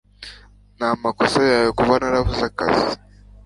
Ni amakosa yawe kuba narabuze akazi